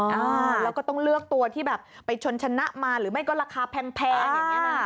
อ่าแล้วก็ต้องเลือกตัวที่แบบไปชนชนะมาหรือไม่ก็ราคาแพงอย่างนี้นะ